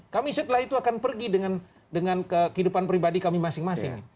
kami setelah itu akan pergi dengan kehidupan pribadi kami masing masing